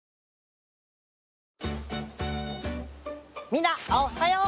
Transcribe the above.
みんなおはよう！